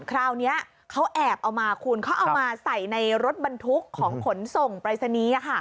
คราวนี้เขาแอบเอามาคุณเขาเอามาใส่ในรถบรรทุกของขนส่งปรายศนีย์